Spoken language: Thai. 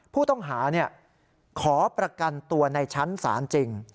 ผู้ต้องหาขอประกันตัวในชั้นศาลจริง